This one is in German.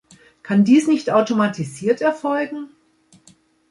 Kann dies nicht automatisiert erfolgen?